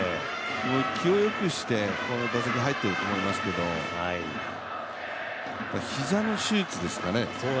気をよくして打席に入ってると思いますけど膝の手術ですかね